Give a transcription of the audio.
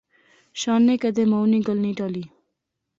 شانے کیدے مائو نی گل نی ٹالی